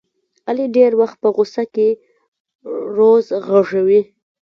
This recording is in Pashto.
علي ډېری وخت په غوسه کې روض غږوي.